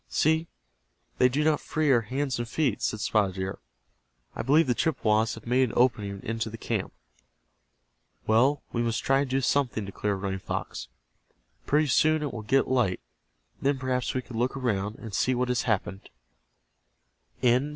"See, they do not free our hands and feet," said Spotted Deer. "I believe the Chippewas have made an opening into the camp." "Well, we must try to do something," declared Running Fox. "Pretty soon it will get light. Then perhaps we can look around, and see what has happened."